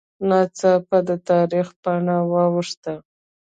ناڅاپه د تاریخ پاڼه واوښته